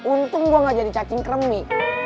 untung gue gak jadi cacing kremi